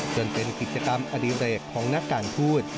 จนเป็นกิจกรรมอดิเรกของนักการทูต